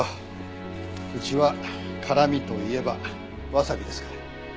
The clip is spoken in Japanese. うちは辛味といえばワサビですから。